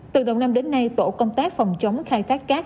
từ đầu năm đến nay tổ công tác phòng chống khai thác cát